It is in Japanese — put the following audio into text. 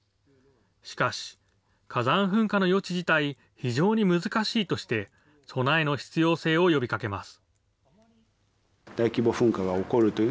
しかし、火山噴火の予知自体、非常に難しいとして、備えの必要性を呼びかけます。